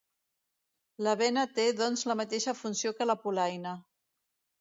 La bena té, doncs, la mateixa funció que la polaina.